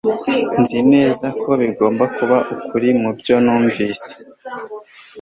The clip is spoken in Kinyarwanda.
Nzi neza ko bigomba kuba ukuri mubyo numvise